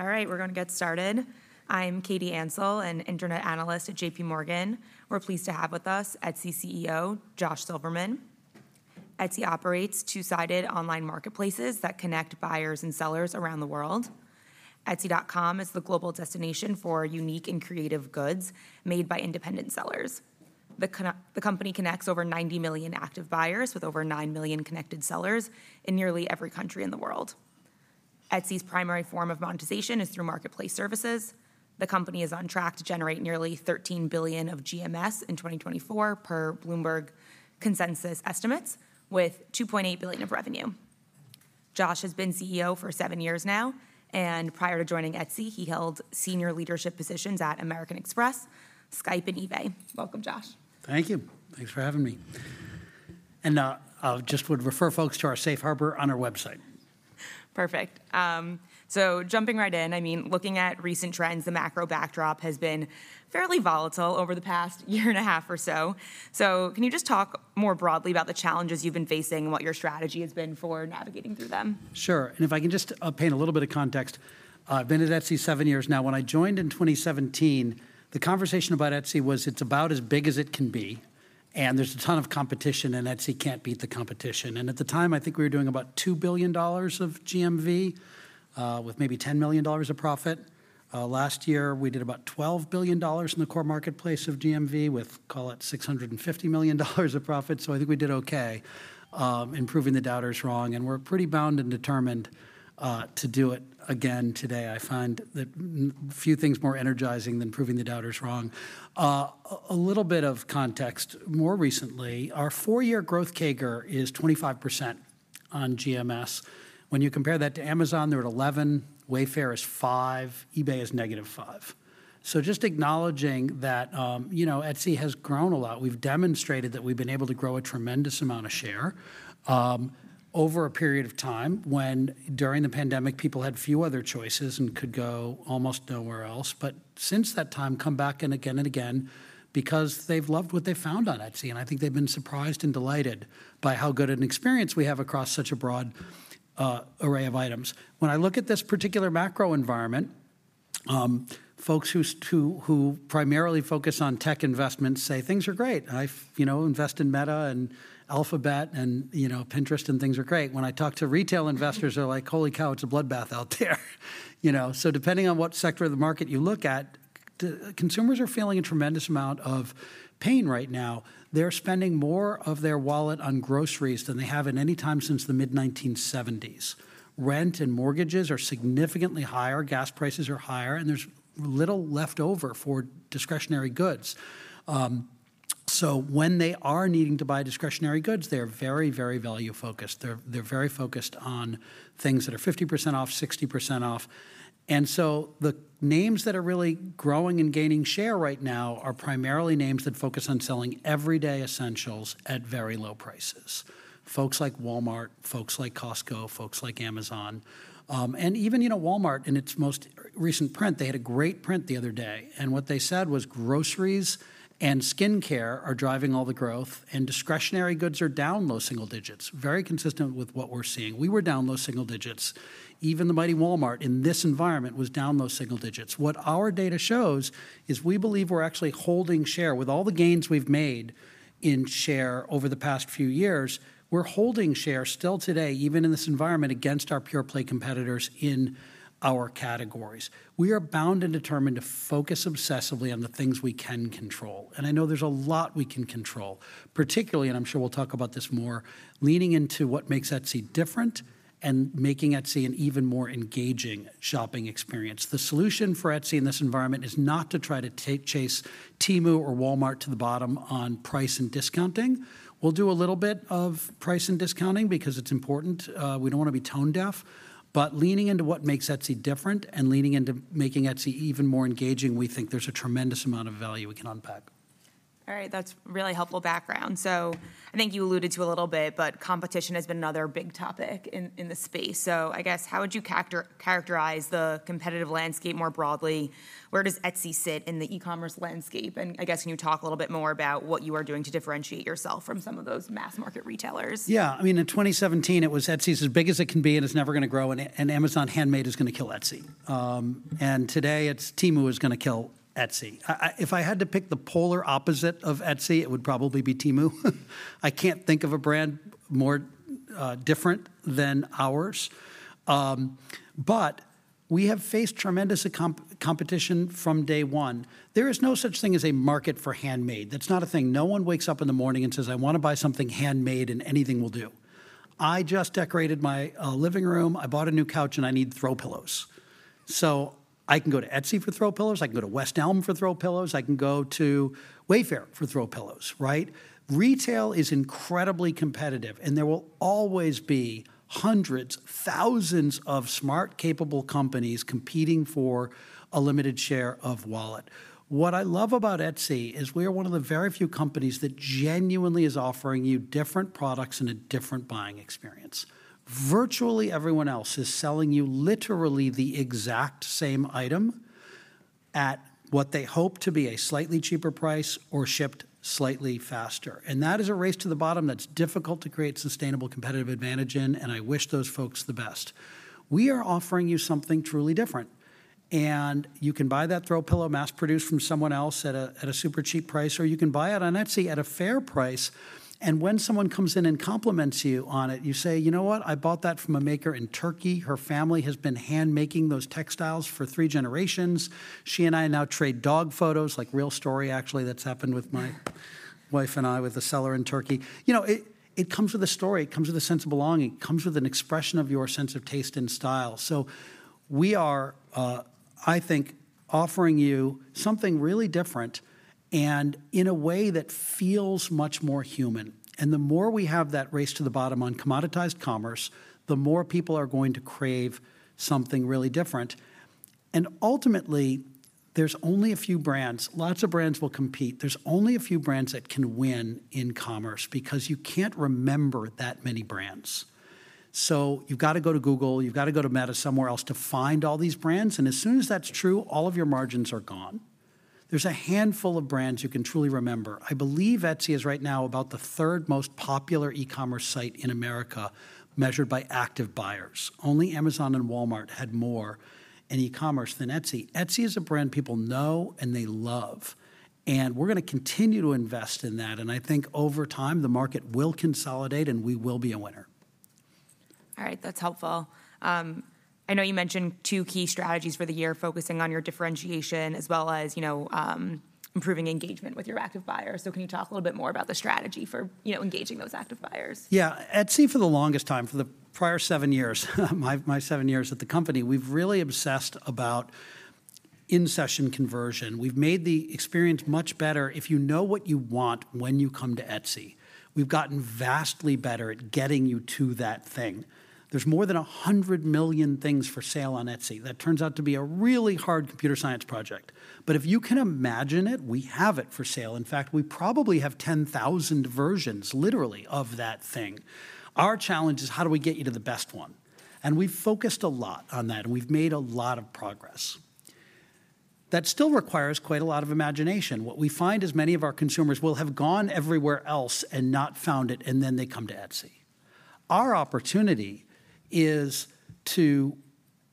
All right, we're gonna get started. I'm Katy Ansel, an internet analyst at J.P. Morgan. We're pleased to have with us Etsy CEO Josh Silverman. Etsy operates two-sided online marketplaces that connect buyers and sellers around the world. Etsy.com is the global destination for unique and creative goods made by independent sellers. The company connects over 90 million active buyers with over 9 million connected sellers in nearly every country in the world. Etsy's primary form of monetization is through marketplace services. The company is on track to generate nearly $13 billion of GMS in 2024 per Bloomberg consensus estimates, with $2.8 billion of revenue. Josh has been CEO for seven years now, and prior to joining Etsy, he held senior leadership positions at American Express, Skype, and eBay. Welcome, Josh. Thank you. Thanks for having me. I'll just would refer folks to our Safe Harbor on our website. Perfect. So jumping right in, I mean, looking at recent trends, the macro backdrop has been fairly volatile over the past year and a half or so. So can you just talk more broadly about the challenges you've been facing and what your strategy has been for navigating through them? Sure, and if I can just paint a little bit of context. I've been at Etsy seven years now. When I joined in 2017, the conversation about Etsy was, it's about as big as it can be, and there's a ton of competition, and Etsy can't beat the competition. At the time, I think we were doing about $2 billion of GMV, with maybe $10 million of profit. Last year, we did about $12 billion in the core marketplace of GMV, with, call it, $650 million of profit. So I think we did okay in proving the doubters wrong, and we're pretty bound and determined to do it again today. I find that few things more energizing than proving the doubters wrong. A little bit of context, more recently, our four-year growth CAGR is 25% on GMS. When you compare that to Amazon, they're at 11%, Wayfair is 5%, eBay is -5%. So just acknowledging that, you know, Etsy has grown a lot. We've demonstrated that we've been able to grow a tremendous amount of share, over a period of time during the pandemic, people had few other choices and could go almost nowhere else, but since that time, come back and again and again because they've loved what they've found on Etsy, and I think they've been surprised and delighted by how good an experience we have across such a broad array of items. When I look at this particular macro environment, folks who primarily focus on tech investments say, "Things are great. I've, you know, invest in Meta and Alphabet and, you know, Pinterest, and things are great." When I talk to retail investors, they're like, "Holy cow, it's a bloodbath out there!" You know, so depending on what sector of the market you look at, the consumers are feeling a tremendous amount of pain right now. They're spending more of their wallet on groceries than they have in any time since the mid 1970s. Rent and mortgages are significantly higher, gas prices are higher, and there's little left over for discretionary goods. So when they are needing to buy discretionary goods, they're very, very value-focused. They're, they're very focused on things that are 50% off, 60% off, and so the names that are really growing and gaining share right now are primarily names that focus on selling everyday essentials at very low prices. Folks like Walmart, folks like Costco, folks like Amazon. And even, you know, Walmart, in its most recent print, they had a great print the other day, and what they said was, "Groceries and skincare are driving all the growth, and discretionary goods are down low single digits," very consistent with what we're seeing. We were down low single digits. Even the mighty Walmart, in this environment, was down low single digits. What our data shows is we believe we're actually holding share. With all the gains we've made in share over the past few years, we're holding share still today, even in this environment, against our pure-play competitors in our categories. We are bound and determined to focus obsessively on the things we can control, and I know there's a lot we can control, particularly, and I'm sure we'll talk about this more, leaning into what makes Etsy different and making Etsy an even more engaging shopping experience. The solution for Etsy in this environment is not to try to race Temu or Walmart to the bottom on price and discounting. We'll do a little bit of price and discounting because it's important. We don't wanna be tone-deaf, but leaning into what makes Etsy different and leaning into making Etsy even more engaging, we think there's a tremendous amount of value we can unpack. All right, that's really helpful background. So I think you alluded to a little bit, but competition has been another big topic in the space. So I guess, how would you characterize the competitive landscape more broadly? Where does Etsy sit in the e-commerce landscape? And I guess, can you talk a little bit more about what you are doing to differentiate yourself from some of those mass-market retailers? Yeah. I mean, in 2017, it was, "Etsy's as big as it can be, and it's never gonna grow, and Amazon Handmade is gonna kill Etsy." And today, it's Temu is gonna kill Etsy. If I had to pick the polar opposite of Etsy, it would probably be Temu. I can't think of a brand more different than ours. But we have faced tremendous competition from day one. There is no such thing as a market for handmade. That's not a thing. No one wakes up in the morning and says, "I wanna buy something handmade, and anything will do." I just decorated my living room. I bought a new couch, and I need throw pillows. So I can go to Etsy for throw pillows, I can go to West Elm for throw pillows, I can go to Wayfair for throw pillows, right? Retail is incredibly competitive, and there will always be hundreds, thousands of smart, capable companies competing for a limited share of wallet. What I love about Etsy is we are one of the very few companies that genuinely is offering you different products and a different buying experience. Virtually everyone else is selling you literally the exact same item at what they hope to be a slightly cheaper price or shipped slightly faster, and that is a race to the bottom that's difficult to create sustainable competitive advantage in, and I wish those folks the best. We are offering you something truly different, and you can buy that throw pillow mass-produced from someone else at a super cheap price, or you can buy it on Etsy at a fair price, and when someone comes in and compliments you on it, you say, "You know what? I bought that from a maker in Turkey. Her family has been hand-making those textiles for three generations. She and I now trade dog photos," like, real story actually that's happened with my wife and I with a seller in Turkey. You know, it comes with a story, it comes with a sense of belonging, it comes with an expression of your sense of taste and style. So we are, I think, offering you something really different and in a way that feels much more human, and the more we have that race to the bottom on commoditized commerce, the more people are going to crave something really different. And ultimately, there's only a few brands, lots of brands will compete, there's only a few brands that can win in commerce because you can't remember that many brands. So you've got to go to Google, you've got to go to Meta, somewhere else, to find all these brands, and as soon as that's true, all of your margins are gone. There's a handful of brands you can truly remember. I believe Etsy is right now about the third most popular e-commerce site in America, measured by active buyers. Only Amazon and Walmart had more in e-commerce than Etsy. Etsy is a brand people know and they love, and we're gonna continue to invest in that, and I think over time, the market will consolidate, and we will be a winner. All right. That's helpful. I know you mentioned two key strategies for the year, focusing on your differentiation as well as, you know, improving engagement with your active buyers. So can you talk a little bit more about the strategy for, you know, engaging those active buyers? Yeah. Etsy, for the longest time, for the prior seven years, my, my seven years at the company, we've really obsessed about in-session conversion. We've made the experience much better if you know what you want when you come to Etsy. We've gotten vastly better at getting you to that thing. There's more than 100 million things for sale on Etsy. That turns out to be a really hard computer science project. But if you can imagine it, we have it for sale. In fact, we probably have 10,000 versions, literally, of that thing. Our challenge is how do we get you to the best one? And we've focused a lot on that, and we've made a lot of progress. That still requires quite a lot of imagination. What we find is many of our consumers will have gone everywhere else and not found it, and then they come to Etsy. Our opportunity is to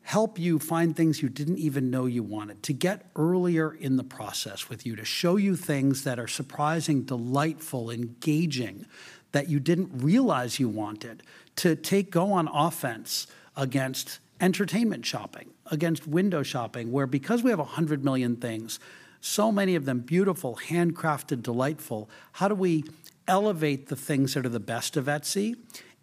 help you find things you didn't even know you wanted, to get earlier in the process with you, to show you things that are surprising, delightful, engaging, that you didn't realize you wanted, to go on offense against entertainment shopping, against window shopping, where because we have 100 million things, so many of them beautiful, handcrafted, delightful, how do we elevate the things that are the best of Etsy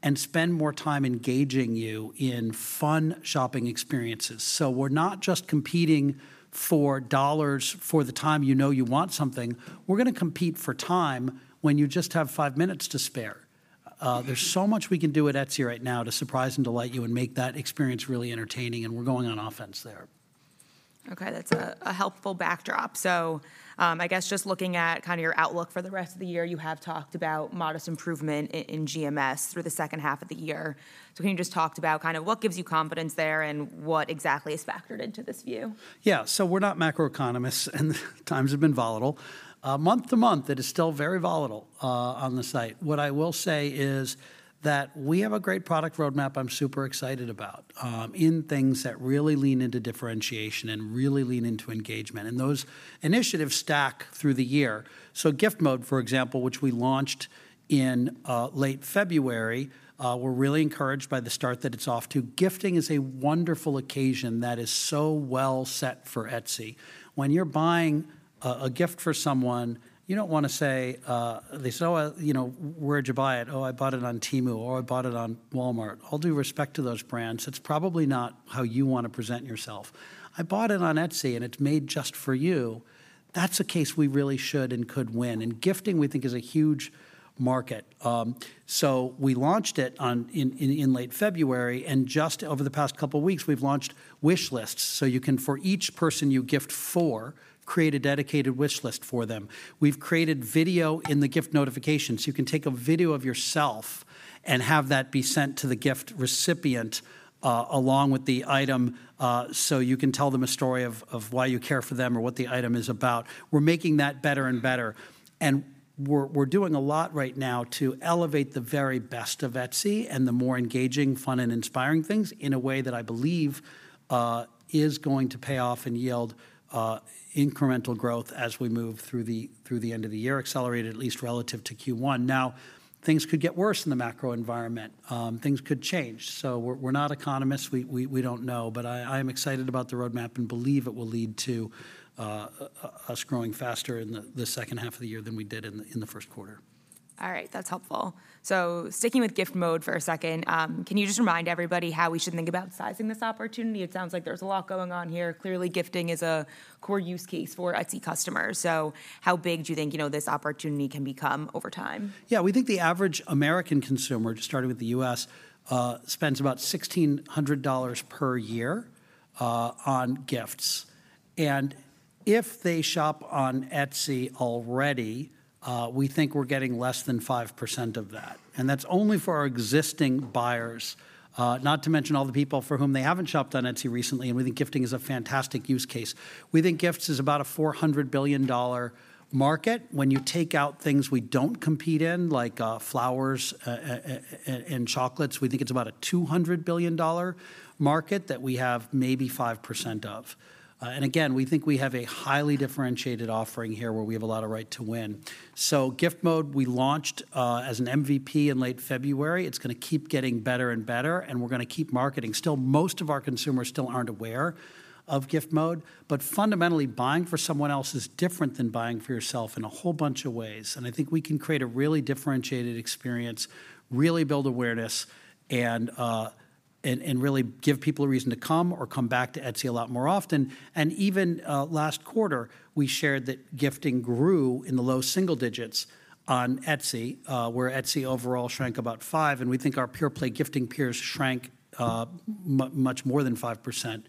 and spend more time engaging you in fun shopping experiences? So we're not just competing for dollars for the time you know you want something, we're gonna compete for time when you just have five minutes to spare. There's so much we can do at Etsy right now to surprise and delight you and make that experience really entertaining, and we're going on offense there. Okay, that's a helpful backdrop. So, I guess just looking at kind of your outlook for the rest of the year, you have talked about modest improvement in GMS through the second half of the year. So can you just talk about kind of what gives you confidence there and what exactly is factored into this view? Yeah. So we're not macroeconomists, and times have been volatile. Month to month, it is still very volatile on the site. What I will say is that we have a great product roadmap I'm super excited about in things that really lean into differentiation and really lean into engagement, and those initiatives stack through the year. So Gift Mode, for example, which we launched in late February, we're really encouraged by the start that it's off to. Gifting is a wonderful occasion that is so well set for Etsy. When you're buying a gift for someone, you don't wanna say, they say, "Oh, you know, where'd you buy it?" "Oh, I bought it on Temu," or, "I bought it on Walmart." All due respect to those brands, it's probably not how you want to present yourself. I bought it on Etsy, and it's made just for you," that's a case we really should and could win, and gifting, we think, is a huge market. So we launched it in late February, and just over the past couple weeks, we've launched wish lists, so you can, for each person you gift for, create a dedicated wish list for them. We've created video in the gift notifications. You can take a video of yourself and have that be sent to the gift recipient, along with the item, so you can tell them a story of why you care for them or what the item is about. We're making that better and better, and we're doing a lot right now to elevate the very best of Etsy and the more engaging, fun, and inspiring things in a way that I believe is going to pay off and yield incremental growth as we move through the end of the year, accelerated at least relative to Q1. Now, things could get worse in the macro environment, things could change. So we're not economists. We don't know, but I am excited about the roadmap and believe it will lead to us growing faster in the second half of the year than we did in the Q1. All right. That's helpful. So sticking with Gift Mode for a second, can you just remind everybody how we should think about sizing this opportunity? It sounds like there's a lot going on here. Clearly, gifting is a core use case for Etsy customers, so how big do you think, you know, this opportunity can become over time? Yeah, we think the average American consumer, just starting with the U.S., spends about $1,600 per year on gifts. And if they shop on Etsy already, we think we're getting less than 5% of that, and that's only for our existing buyers, not to mention all the people for whom they haven't shopped on Etsy recently, and we think gifting is a fantastic use case. We think gifts is about a $400 billion market. When you take out things we don't compete in, like flowers, and chocolates, we think it's about a $200 billion market that we have maybe 5% of. And again, we think we have a highly differentiated offering here, where we have a lot of right to win. So Gift Mode, we launched as an MVP in late February. It's gonna keep getting better and better, and we're gonna keep marketing. Still, most of our consumers still aren't aware of Gift Mode, but fundamentally, buying for someone else is different than buying for yourself in a whole bunch of ways, and I think we can create a really differentiated experience, really build awareness and really give people a reason to come or come back to Etsy a lot more often. And even, last quarter, we shared that gifting grew in the low single digits on Etsy, where Etsy overall shrank about 5, and we think our pure-play gifting peers shrank, much more than 5%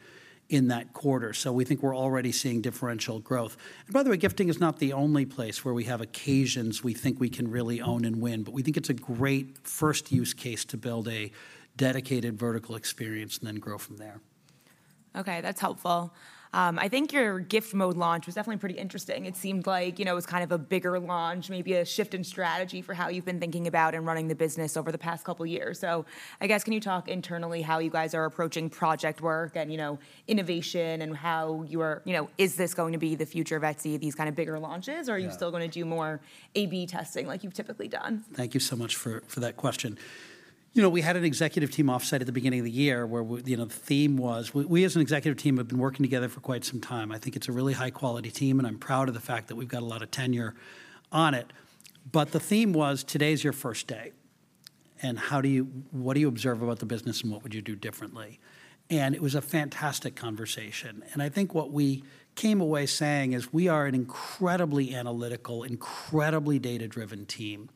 in that quarter. So we think we're already seeing differential growth. And by the way, gifting is not the only place where we have occasions we think we can really own and win, but we think it's a great first use case to build a dedicated vertical experience and then grow from there. Okay, that's helpful. I think your Gift Mode launch was definitely pretty interesting. It seemed like, you know, it was kind of a bigger launch, maybe a shift in strategy for how you've been thinking about and running the business over the past couple years. So I guess, can you talk internally how you guys are approaching project work and, you know, innovation and how you are—you know, is this going to be the future of Etsy, these kind of bigger launches? Yeah. Or are you still gonna do more A/B testing like you've typically done? Thank you so much for that question. You know, we had an executive team off-site at the beginning of the year, where you know, the theme was... We, as an executive team, have been working together for quite some time. I think it's a really high-quality team, and I'm proud of the fact that we've got a lot of tenure on it. But the theme was, "Today's your first day, and what do you observe about the business, and what would you do differently?" And it was a fantastic conversation, and I think what we came away saying is, we are an incredibly analytical, incredibly data-driven team,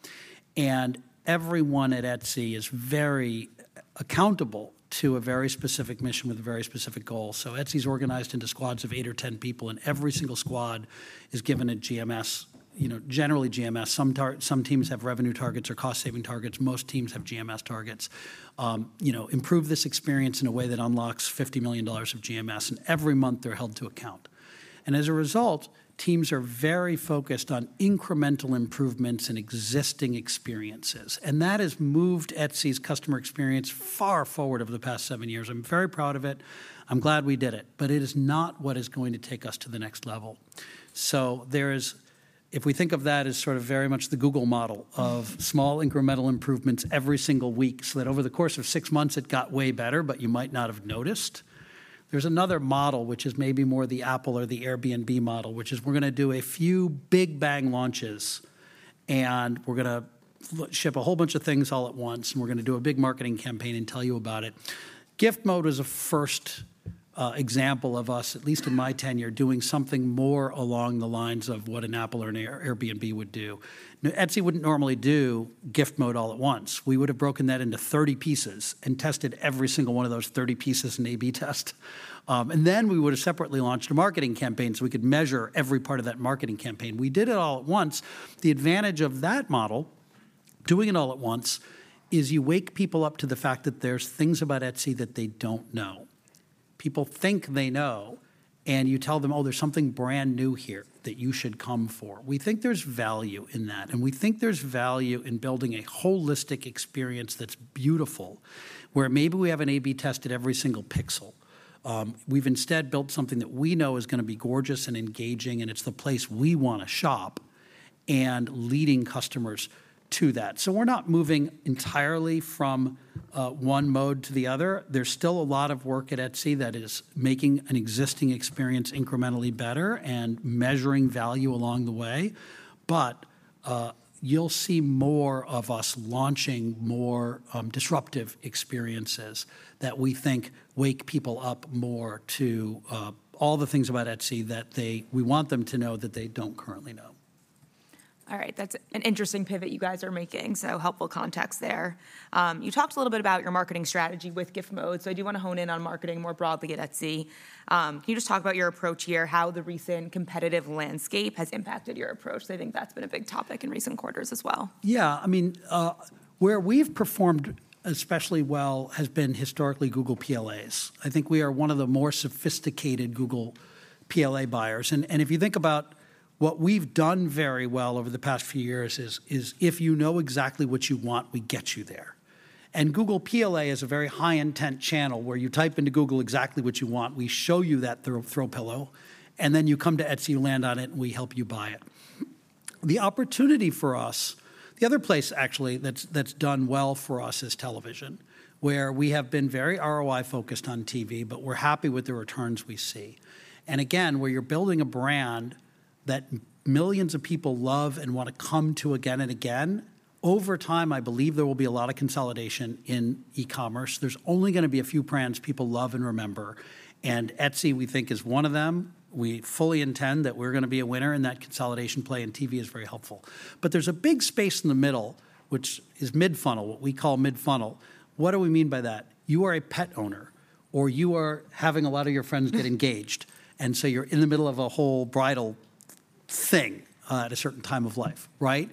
and everyone at Etsy is very accountable to a very specific mission with a very specific goal. Etsy's organized into squads of 8 or 10 people, and every single squad is given a GMS, you know, generally GMS. Some teams have revenue targets or cost-saving targets. Most teams have GMS targets. You know, improve this experience in a way that unlocks $50 million of GMS, and every month, they're held to account. And as a result, teams are very focused on incremental improvements in existing experiences, and that has moved Etsy's customer experience far forward over the past seven years. I'm very proud of it. I'm glad we did it, but it is not what is going to take us to the next level. So there's, if we think of that as sort of very much the Google model of small, incremental improvements every single week, so that over the course of six months, it got way better, but you might not have noticed. There's another model, which is maybe more the Apple or the Airbnb model, which is, we're gonna do a few big bang launches, and we're gonna ship a whole bunch of things all at once, and we're gonna do a big marketing campaign and tell you about it. Gift Mode is a first example of us, at least in my tenure, doing something more along the lines of what an Apple or an Airbnb would do. Now, Etsy wouldn't normally do Gift Mode all at once. We would've broken that into 30 pieces and tested every single one of those 30 pieces in an A/B test. And then we would've separately launched a marketing campaign, so we could measure every part of that marketing campaign. We did it all at once. The advantage of that model, doing it all at once, is you wake people up to the fact that there's things about Etsy that they don't know. People think they know, and you tell them, "Oh, there's something brand new here that you should come for." We think there's value in that, and we think there's value in building a holistic experience that's beautiful, where maybe we haven't A/B tested every single pixel. We've instead built something that we know is gonna be gorgeous and engaging, and it's the place we wanna shop, and leading customers to that. So we're not moving entirely from one mode to the other. There's still a lot of work at Etsy that is making an existing experience incrementally better and measuring value along the way. But, you'll see more of us launching more, disruptive experiences that we think wake people up more to, all the things about Etsy that we want them to know, that they don't currently know. All right. That's an interesting pivot you guys are making, so helpful context there. You talked a little bit about your marketing strategy with Gift Mode, so I do want to hone in on marketing more broadly at Etsy. Can you just talk about your approach here, how the recent competitive landscape has impacted your approach? I think that's been a big topic in recent quarters as well. Yeah, I mean, where we've performed especially well has been historically Google PLAs. I think we are one of the more sophisticated Google PLA buyers, and if you think about what we've done very well over the past few years is if you know exactly what you want, we get you there. And Google PLA is a very high-intent channel, where you type into Google exactly what you want. We show you that throw pillow, and then you come to Etsy, you land on it, and we help you buy it. The opportunity for us, the other place, actually, that's done well for us is television, where we have been very ROI-focused on TV, but we're happy with the returns we see. Again, where you're building a brand that millions of people love and want to come to again and again, over time, I believe there will be a lot of consolidation in e-commerce. There's only gonna be a few brands people love and remember, and Etsy, we think, is one of them. We fully intend that we're gonna be a winner in that consolidation play, and TV is very helpful. But there's a big space in the middle, which is mid-funnel, what we call mid-funnel. What do we mean by that? You are a pet owner, or you are having a lot of your friends get engaged, and so you're in the middle of a whole bridal thing at a certain time of life, right?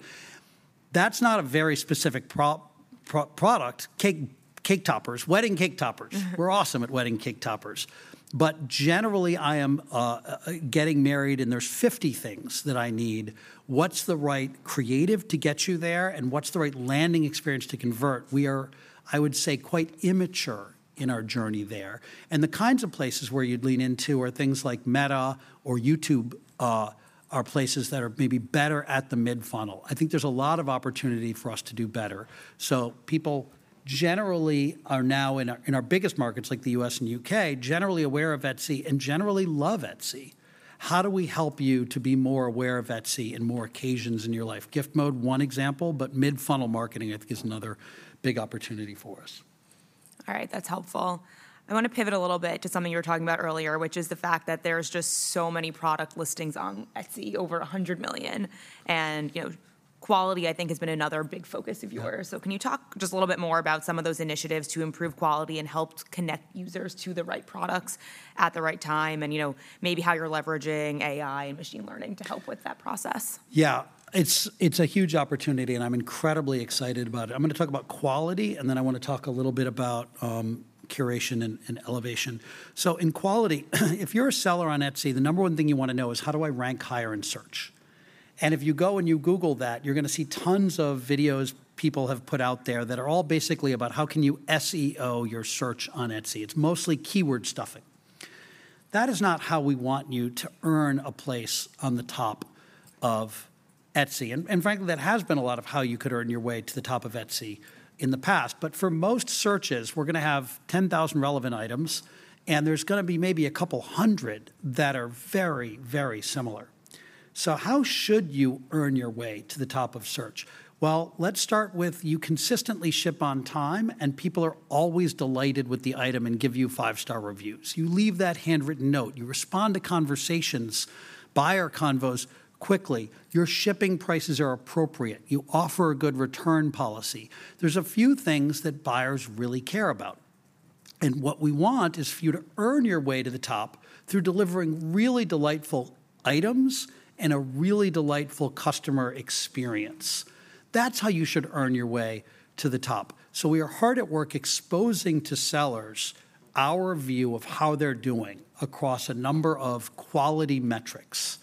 That's not a very specific product. Cake, cake toppers, wedding cake toppers. We're awesome at wedding cake toppers. But generally, I am getting married, and there's 50 things that I need. What's the right creative to get you there, and what's the right landing experience to convert? We are, I would say, quite immature in our journey there, and the kinds of places where you'd lean into are things like Meta or YouTube are places that are maybe better at the mid-funnel. I think there's a lot of opportunity for us to do better. So people generally are now in our, in our biggest markets, like the U.S. and U.K., generally aware of Etsy and generally love Etsy. How do we help you to be more aware of Etsy in more occasions in your life? Gift Mode, one example, but mid-funnel marketing, I think, is another big opportunity for us. All right, that's helpful. I want to pivot a little bit to something you were talking about earlier, which is the fact that there's just so many product listings on Etsy, over 100 million, and, you know, quality, I think, has been another big focus of yours. Yeah. Can you talk just a little bit more about some of those initiatives to improve quality and help to connect users to the right products at the right time and, you know, maybe how you're leveraging AI and machine learning to help with that process? Yeah, it's a huge opportunity, and I'm incredibly excited about it. I'm gonna talk about quality, and then I want to talk a little bit about curation and elevation. So in quality, if you're a seller on Etsy, the number one thing you want to know is: How do I rank higher in search? And if you go and you Google that, you're gonna see tons of videos people have put out there that are all basically about how can you SEO your search on Etsy? It's mostly keyword stuffing. That is not how we want you to earn a place on the top of Etsy, and frankly, that has been a lot of how you could earn your way to the top of Etsy in the past. But for most searches, we're gonna have 10,000 relevant items, and there's gonna be maybe a couple hundred that are very, very similar. So how should you earn your way to the top of search? Well, let's start with you consistently ship on time, and people are always delighted with the item and give you five-star reviews. You leave that handwritten note. You respond to conversations, buyer convos, quickly. Your shipping prices are appropriate. You offer a good return policy. There's a few things that buyers really care about, and what we want is for you to earn your way to the top through delivering really delightful items and a really delightful customer experience. That's how you should earn your way to the top. So we are hard at work exposing to sellers our view of how they're doing across a number of quality metrics,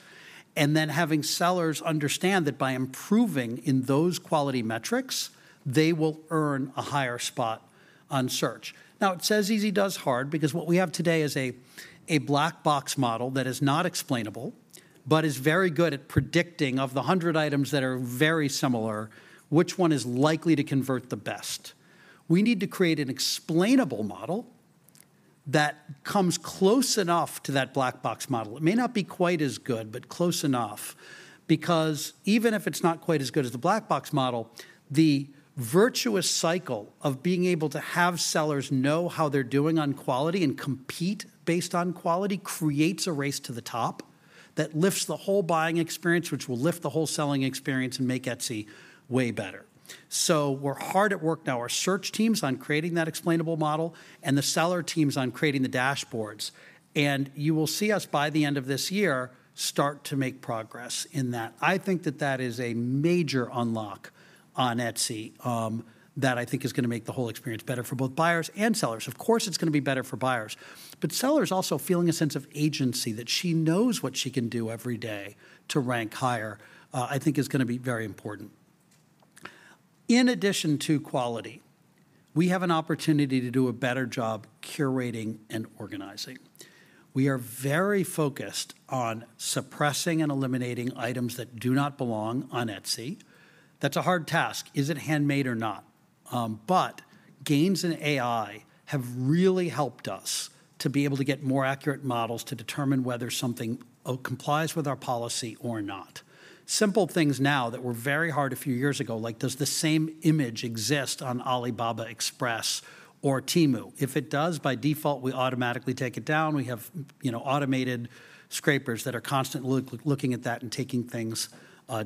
and then having sellers understand that by improving in those quality metrics, they will earn a higher spot on search. Now, it says easy, does hard, because what we have today is a Black Box model that is not explainable but is very good at predicting, of the 100 items that are very similar, which one is likely to convert the best. We need to create an explainable model that comes close enough to that Black Box model. It may not be quite as good, but close enough, because even if it's not quite as good as the Black Box model, the virtuous cycle of being able to have sellers know how they're doing on quality and compete based on quality creates a race to the top that lifts the whole buying experience, which will lift the whole selling experience and make Etsy way better. So we're hard at work now, our search team's on creating that explainable model, and the seller team's on creating the dashboards, and you will see us, by the end of this year, start to make progress in that. I think that that is a major unlock on Etsy, that I think is gonna make the whole experience better for both buyers and sellers. Of course, it's gonna be better for buyers, but sellers also feeling a sense of agency, that she knows what she can do every day to rank higher, I think is gonna be very important. In addition to quality, we have an opportunity to do a better job curating and organizing. We are very focused on suppressing and eliminating items that do not belong on Etsy. That's a hard task. Is it handmade or not? But gains in AI have really helped us to be able to get more accurate models to determine whether something, complies with our policy or not. Simple things now that were very hard a few years ago, like, does the same image exist on AliExpress or Temu? If it does, by default, we automatically take it down. We have, you know, automated scrapers that are constantly looking at that and taking things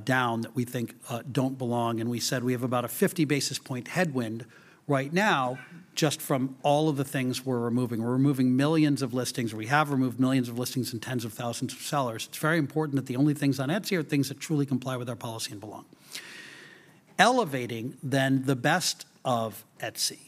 down that we think don't belong, and we said we have about a 50 basis point headwind right now just from all of the things we're removing. We're removing millions of listings, or we have removed millions of listings and tens of thousands of sellers. It's very important that the only things on Etsy are things that truly comply with our policy and belong. Elevating, then, the best of Etsy,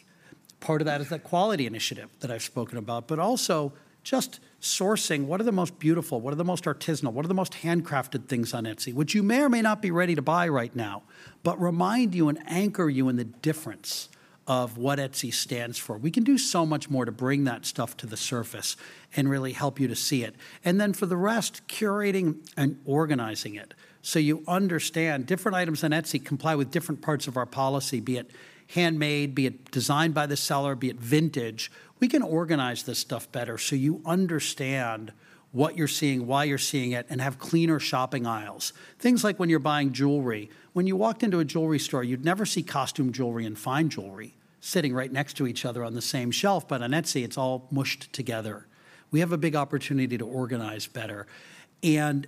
part of that is the quality initiative that I've spoken about, but also just sourcing what are the most beautiful, what are the most artisanal, what are the most handcrafted things on Etsy, which you may or may not be ready to buy right now but remind you and anchor you in the difference of what Etsy stands for. We can do so much more to bring that stuff to the surface and really help you to see it, and then for the rest, curating and organizing it so you understand. Different items on Etsy comply with different parts of our policy, be it handmade, be it designed by the seller, be it vintage. We can organize this stuff better so you understand what you're seeing, why you're seeing it, and have cleaner shopping aisles. Things like when you're buying jewelry, when you walked into a jewelry store, you'd never see costume jewelry and fine jewelry sitting right next to each other on the same shelf, but on Etsy, it's all mushed together. We have a big opportunity to organize better, and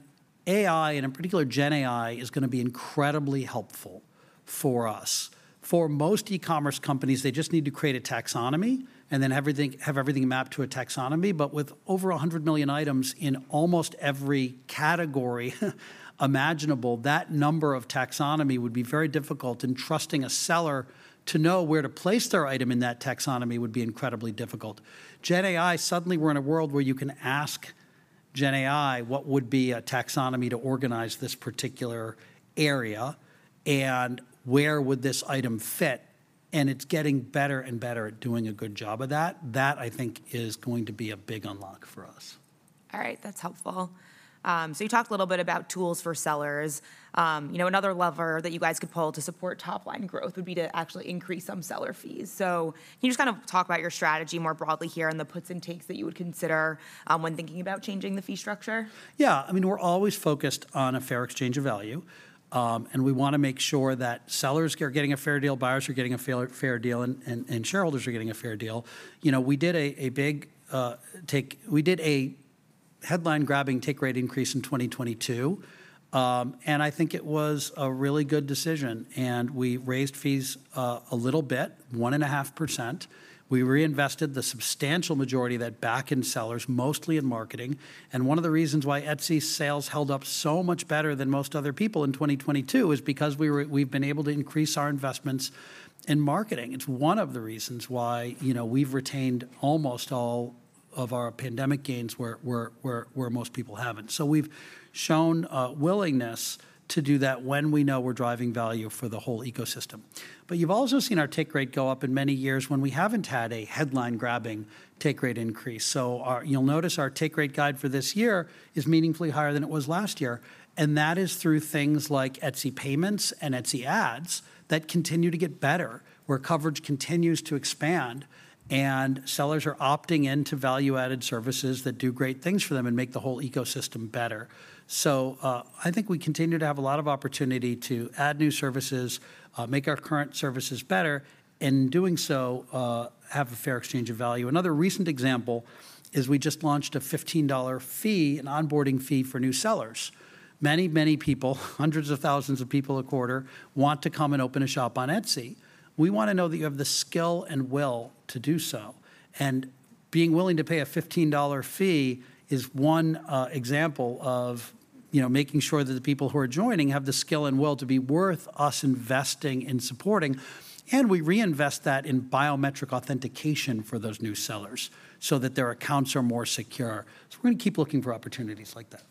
AI, and in particular, GenAI, is gonna be incredibly helpful for us. For most e-commerce companies, they just need to create a taxonomy, and then everything, have everything mapped to a taxonomy. But with over 100 million items in almost every category imaginable, that number of taxonomy would be very difficult, and trusting a seller to know where to place their item in that taxonomy would be incredibly difficult. Gen AI, suddenly we're in a world where you can ask Gen AI what would be a taxonomy to organize this particular area, and where would this item fit? And it's getting better and better at doing a good job of that. That, I think, is going to be a big unlock for us. All right, that's helpful. So you talked a little bit about tools for sellers. You know, another lever that you guys could pull to support top-line growth would be to actually increase some seller fees. So can you just kind of talk about your strategy more broadly here, and the puts and takes that you would consider, when thinking about changing the fee structure? Yeah, I mean, we're always focused on a fair exchange of value, and we wanna make sure that sellers are getting a fair deal, buyers are getting a fair deal, and shareholders are getting a fair deal. You know, we did a big headline-grabbing take rate increase in 2022, and I think it was a really good decision, and we raised fees a little bit, 1.5%. We reinvested the substantial majority of that back in sellers, mostly in marketing, and one of the reasons why Etsy's sales held up so much better than most other people in 2022 is because we've been able to increase our investments in marketing. It's one of the reasons why, you know, we've retained almost all of our pandemic gains where most people haven't. So we've shown willingness to do that when we know we're driving value for the whole ecosystem. But you've also seen our take rate go up in many years when we haven't had a headline-grabbing take rate increase. So you'll notice our take rate guide for this year is meaningfully higher than it was last year, and that is through things like Etsy Payments and Etsy Ads that continue to get better, where coverage continues to expand, and sellers are opting into value-added services that do great things for them and make the whole ecosystem better. So, I think we continue to have a lot of opportunity to add new services, make our current services better, in doing so, have a fair exchange of value. Another recent example is we just launched a $15 fee, an onboarding fee, for new sellers. Many, many people, hundreds of thousands of people a quarter, want to come and open a shop on Etsy. We wanna know that you have the skill and will to do so, and being willing to pay a $15 fee is one example of, you know, making sure that the people who are joining have the skill and will to be worth us investing and supporting, and we reinvest that in biometric authentication for those new sellers so that their accounts are more secure. So we're gonna keep looking for opportunities like that.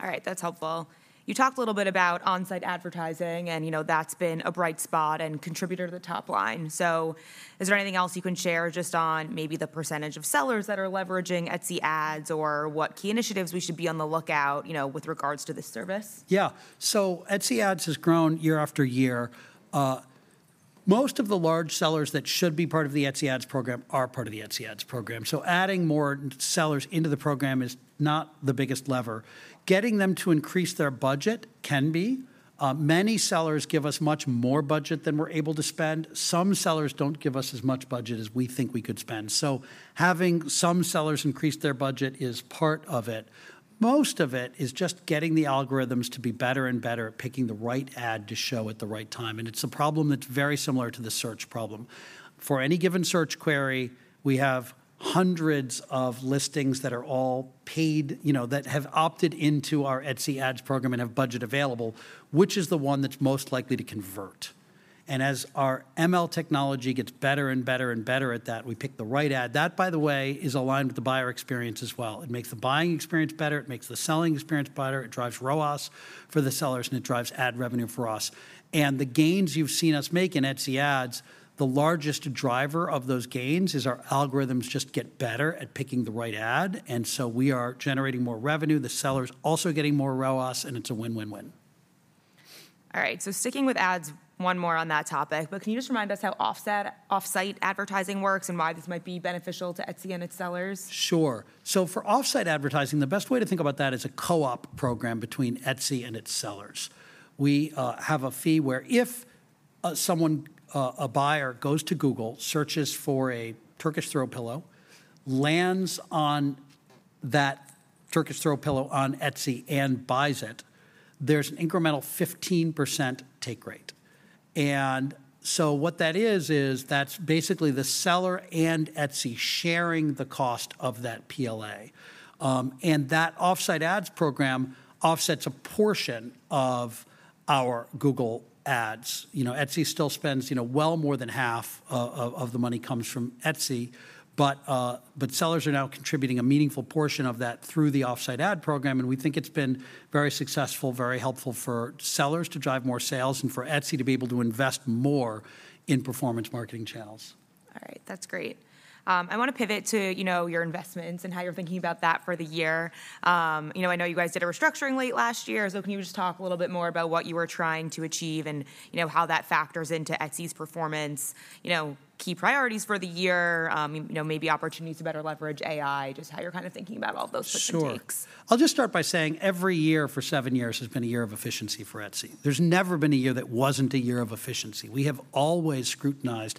All right, that's helpful. You talked a little bit about on-site advertising, and, you know, that's been a bright spot and contributor to the top line. So is there anything else you can share just on maybe the percentage of sellers that are leveraging Etsy Ads or what key initiatives we should be on the lookout, you know, with regards to this service? Yeah. So Etsy Ads has grown year after year. Most of the large sellers that should be part of the Etsy Ads program are part of the Etsy Ads program, so adding more sellers into the program is not the biggest lever. Getting them to increase their budget can be. Many sellers give us much more budget than we're able to spend. Some sellers don't give us as much budget as we think we could spend, so having some sellers increase their budget is part of it. Most of it is just getting the algorithms to be better and better at picking the right ad to show at the right time, and it's a problem that's very similar to the search problem. For any given search query, we have hundreds of listings that are all paid, you know, that have opted into our Etsy Ads program and have budget available, which is the one that's most likely to convert? As our ML technology gets better and better and better at that, we pick the right ad. That, by the way, is aligned with the buyer experience as well. It makes the buying experience better, it makes the selling experience better, it drives ROAS for the sellers, and it drives ad revenue for us. The gains you've seen us make in Etsy Ads, the largest driver of those gains is our algorithms just get better at picking the right ad, and so we are generating more revenue. The sellers also getting more ROAS, and it's a win-win-win. All right, so sticking with ads, one more on that topic, but can you just remind us how off-site advertising works and why this might be beneficial to Etsy and its sellers? Sure. So for off-site advertising, the best way to think about that is a co-op program between Etsy and its sellers. We have a fee where if someone, a buyer goes to Google, searches for a Turkish throw pillow, lands on that Turkish throw pillow on Etsy and buys it, there's an incremental 15% take rate. And so what that is, is that's basically the seller and Etsy sharing the cost of that PLA. And that Offsite Ads program offsets a portion of our Google Ads. You know, Etsy still spends well, more than half of the money comes from Etsy, but sellers are now contributing a meaningful portion of that through the Offsite Ads program, and we think it's been very successful, very helpful for sellers to drive more sales and for Etsy to be able to invest more in performance marketing channels. All right, that's great. I wanna pivot to, you know, your investments and how you're thinking about that for the year. You know, I know you guys did a restructuring late last year, so can you just talk a little bit more about what you were trying to achieve and, you know, how that factors into Etsy's performance, you know, key priorities for the year, you know, maybe opportunities to better leverage AI, just how you're kind of thinking about all those puts and takes? Sure. I'll just start by saying every year for seven years has been a year of efficiency for Etsy. There's never been a year that wasn't a year of efficiency. We have always scrutinized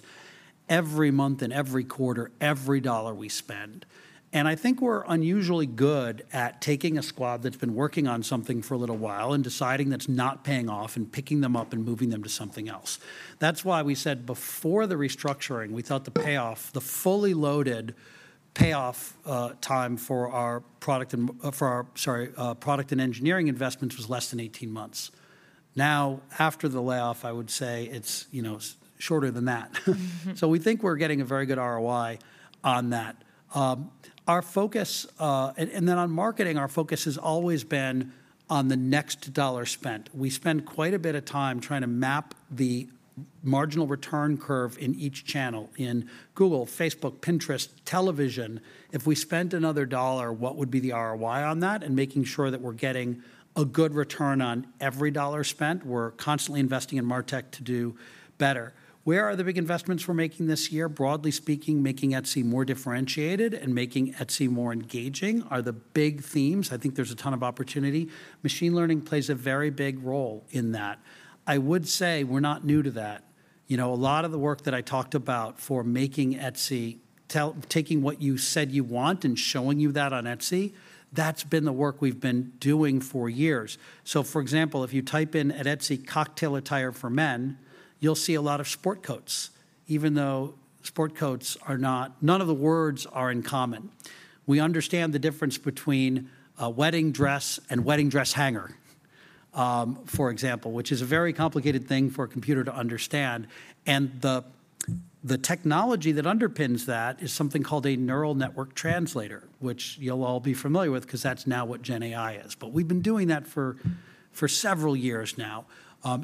every month and every quarter, every dollar we spend. And I think we're unusually good at taking a squad that's been working on something for a little while and deciding that's not paying off, and picking them up and moving them to something else. That's why we said before the restructuring, we thought the payoff, the fully loaded payoff, time for our product and for our, sorry, product and engineering investments was less than 18 months. Now, after the layoff, I would say it's, you know, shorter than that. So we think we're getting a very good ROI on that. Our focus, and then on marketing, our focus has always been on the next dollar spent. We spend quite a bit of time trying to map the marginal return curve in each channel, in Google, Facebook, Pinterest, television. If we spent another dollar, what would be the ROI on that? And making sure that we're getting a good return on every dollar spent. We're constantly investing in MarTech to do better. Where are the big investments we're making this year? Broadly speaking, making Etsy more differentiated and making Etsy more engaging are the big themes. I think there's a ton of opportunity. Machine learning plays a very big role in that. I would say we're not new to that. You know, a lot of the work that I talked about for making Etsy, taking what you said you want and showing you that on Etsy, that's been the work we've been doing for years. So, for example, if you type in at Etsy, "cocktail attire for men," you'll see a lot of sport coats, even though sport coats are not... None of the words are in common. We understand the difference between a wedding dress and wedding dress hanger, for example, which is a very complicated thing for a computer to understand. And the technology that underpins that is something called a neural network translator, which you'll all be familiar with, 'cause that's now what GenAI is. But we've been doing that for several years now.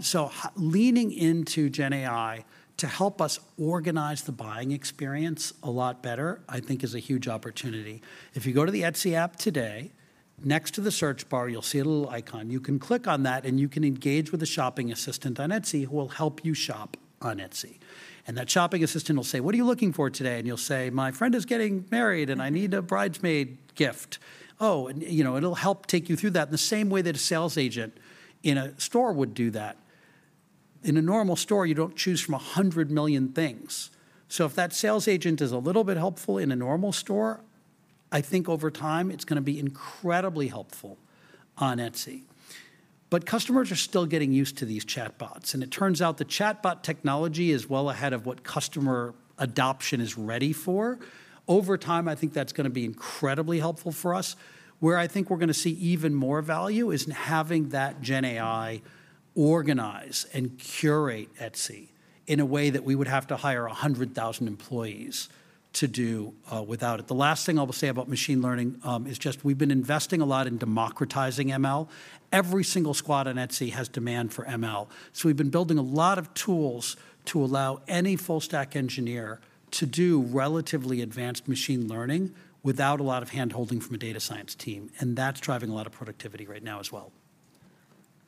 So, leaning into GenAI to help us organize the buying experience a lot better, I think is a huge opportunity. If you go to the Etsy app today, next to the search bar, you'll see a little icon. You can click on that, and you can engage with a shopping assistant on Etsy, who will help you shop on Etsy. And that shopping assistant will say: "What are you looking for today?" And you'll say: "My friend is getting married, and I need a bridesmaid gift." Oh, and, you know, it'll help take you through that, in the same way that a sales agent in a store would do that. In a normal store, you don't choose from 100 million things. So if that sales agent is a little bit helpful in a normal store, I think over time it's gonna be incredibly helpful on Etsy. But customers are still getting used to these chatbots, and it turns out the chatbot technology is well ahead of what customer adoption is ready for. Over time, I think that's gonna be incredibly helpful for us. Where I think we're gonna see even more value is in having that GenAI organize and curate Etsy in a way that we would have to hire 100,000 employees to do, without it. The last thing I will say about machine learning, is just we've been investing a lot in democratizing ML. Every single squad on Etsy has demand for ML, so we've been building a lot of tools to allow any full stack engineer to do relatively advanced machine learning without a lot of hand-holding from a data science team, and that's driving a lot of productivity right now as well.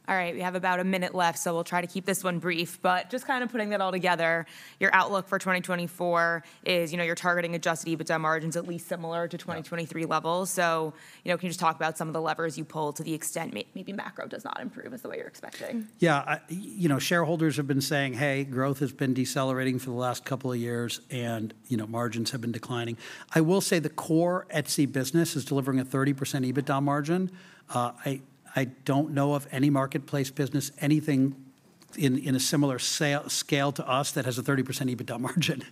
All right, we have about a minute left, so we'll try to keep this one brief, but just kind of putting that all together, your outlook for 2024 is, you know, you're targeting adjusted EBITDA margins at least similar to 2023 levels. Yeah. So, you know, can you just talk about some of the levers you pulled to the extent maybe macro does not improve the way you're expecting? Yeah, you know, shareholders have been saying, "Hey, growth has been decelerating for the last couple of years, and, you know, margins have been declining." I will say the core Etsy business is delivering a 30% EBITDA margin. I don't know of any marketplace business, anything in a similar scale to us, that has a 30% EBITDA margin.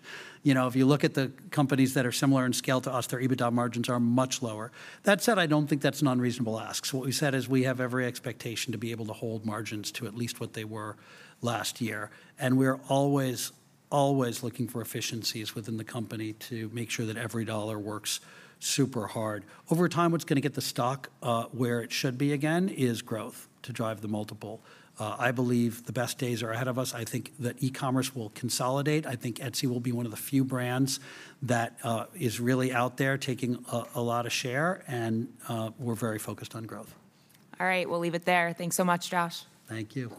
You know, if you look at the companies that are similar in scale to us, their EBITDA margins are much lower. That said, I don't think that's an unreasonable ask. So what we said is we have every expectation to be able to hold margins to at least what they were last year, and we're always looking for efficiencies within the company to make sure that every dollar works super hard. Over time, what's gonna get the stock where it should be again is growth to drive the multiple. I believe the best days are ahead of us. I think that e-commerce will consolidate. I think Etsy will be one of the few brands that is really out there taking a lot of share, and we're very focused on growth. All right, we'll leave it there. Thanks so much, Josh. Thank you.